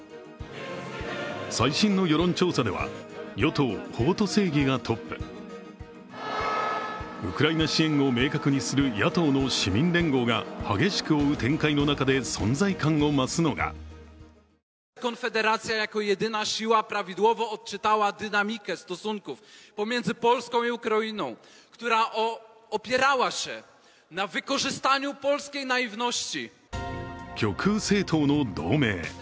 最新の世論調査では、与党・法と正義がトップウクライナ支援を明確にする野党の市民連合が激しく追う展開の中で存在感を増すのが極右政党の同盟。